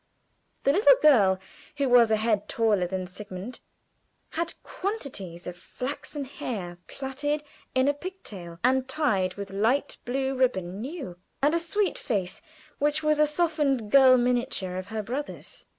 The little girl who was a head taller than Sigmund, had quantities of flaxen hair plaited in a pigtail and tied with light blue ribbon new; and a sweet face which was a softened girl miniature of her brother's.